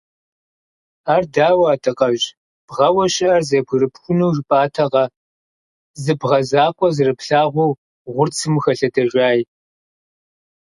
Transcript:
Ар дауэ, Адакъэжь, бгъэуэ щыӀэр зэбгырыпхуну жыпӀатэкъэ, зы бгъэ закъуэ зэрыплъагъуу гъурцым ухэлъэдэжай?